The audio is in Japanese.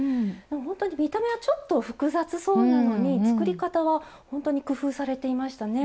ほんとに見た目はちょっと複雑そうなのに作り方はほんとに工夫されていましたね。